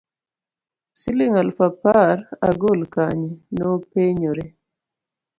siling' aluf apar agol kanye? nopenyore